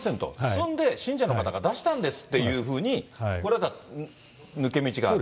進んで信者の方が出したんですっていうふうに、抜け道がある。